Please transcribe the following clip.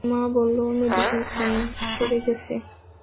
মা বললো, ও মেডিকেল স্টোরে গেছে।